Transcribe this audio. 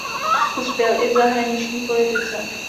Uspěl i v zahraniční politice.